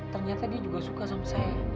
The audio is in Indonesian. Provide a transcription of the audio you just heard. ternyata dia juga suka sama saya